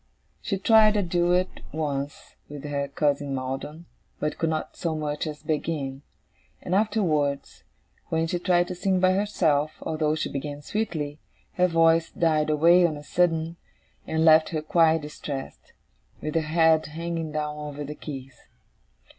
She tried a duet, once, with her cousin Maldon, but could not so much as begin; and afterwards, when she tried to sing by herself, although she began sweetly, her voice died away on a sudden, and left her quite distressed, with her head hanging down over the keys.